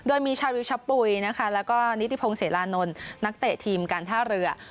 โดยมีชาววิวชะปุ๋ยนะคะแล้วก็นิติพงศิลานนท์นักเตะทีมการท่าเรือ